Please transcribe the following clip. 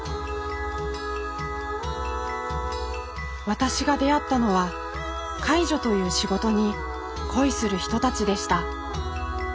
私が出会ったのは介助という仕事に恋する人たちでした。